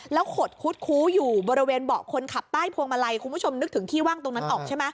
แล้วขดคุดคู้อยู่บริเวณเบาะคนขับใต้พวงมาลัยคุณผู้ชมนึกถึงที่ว่างตรงนั้นออกใช่ไหม